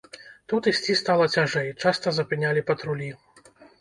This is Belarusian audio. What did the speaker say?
Тут ісці стала цяжэй, часта запынялі патрулі.